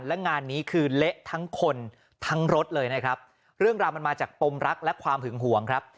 และงานนี้คือเละทั้งคนทั้งรถเลยนะครับเรื่องราวมันมาจากปมรักและความหึงห่วงครับ